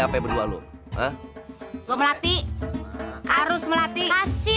berarti harus melatih latih ngasih